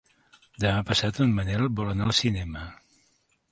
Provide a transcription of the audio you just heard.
Demà passat en Manel vol anar al cinema.